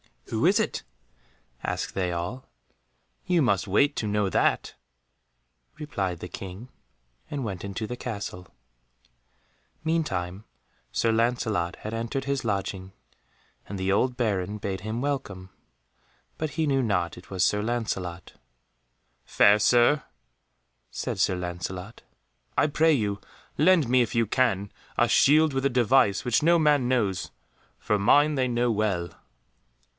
"Who is that?" asked they all. "You must wait to know that," replied the King, and went into the castle. Meantime Sir Lancelot had entered his lodging, and the old Baron bade him welcome, but he knew not it was Sir Lancelot. "Fair Sir," said Sir Lancelot, "I pray you lend me, if you can, a shield with a device which no man knows, for mine they know well."